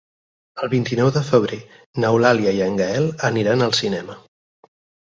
El vint-i-nou de febrer n'Eulàlia i en Gaël aniran al cinema.